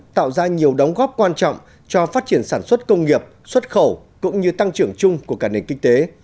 tạo ra nhiều đóng góp quan trọng cho phát triển sản xuất công nghiệp xuất khẩu cũng như tăng trưởng chung của cả nền kinh tế